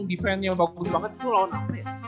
defend nya bagus banget itu lawan apa ya